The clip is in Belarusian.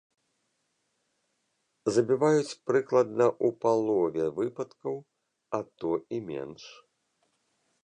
Забіваюць прыкладна ў палове выпадкаў, а то і менш.